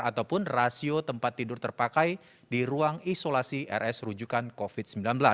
ataupun rasio tempat tidur terpakai di ruang isolasi rs rujukan covid sembilan belas